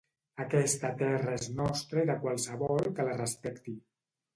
Aquesta terra és nostra i de qualsevol que la respecti.